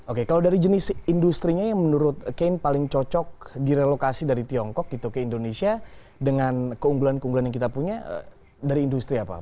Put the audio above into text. oke kalau dari jenis industri nya yang menurut kane paling cocok direlokasi dari tiongkok gitu ke indonesia dengan keunggulan keunggulan yang kita punya dari industri apa